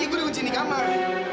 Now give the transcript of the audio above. iya gue dikunciin di kamar